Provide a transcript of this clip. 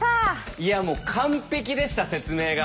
いやもう完璧でした説明が。